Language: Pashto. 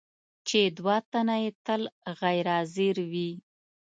چې دوه تنه یې تل غیر حاضر وي.